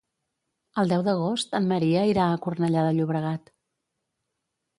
El deu d'agost en Maria irà a Cornellà de Llobregat.